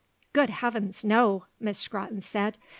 "Good heavens, no!" Miss Scrotton said.